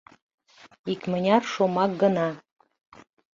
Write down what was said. Икмыняр шомак гына.